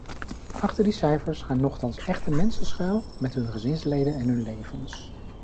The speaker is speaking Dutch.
Achter die cijfers gaan nochtans echte mensen schuil, met hun gezinsleden en hun levens.